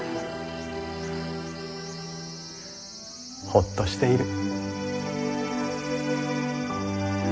ほっとしている。